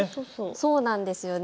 そうなんですよね。